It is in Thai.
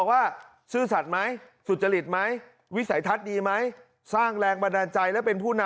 ยังไม่รู้จะจัดคั่วเดียวหรือจะสองคั่วแข่งกันนะ